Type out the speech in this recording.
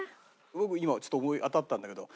僕今ちょっと思い当たったんだけど。